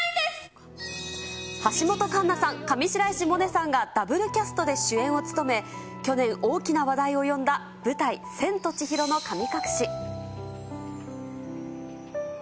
橋本環奈さん、上白石萌音さんがＷキャストで主演を務め、去年、大きな話題を呼んだ舞台、千と千尋の神隠し。